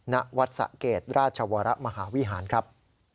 ณวัดสะเกดราชวรมหาวิหารครับ